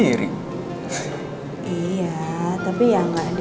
saya kayaknya sudah mulai